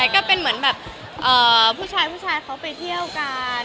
ก็เป็นเหมือนผู้ชายเขาไปเที่ยวกัน